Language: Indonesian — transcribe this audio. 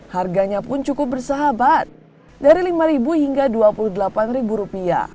harganya pun cukup bersahabat dari rp lima hingga rp dua puluh delapan